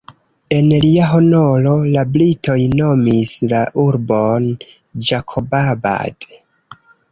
En lia honoro, la britoj nomis la urbon Ĝakobabad.